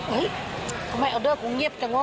เฮ้ยทำไมออเดอร์คงเงียบจังวะ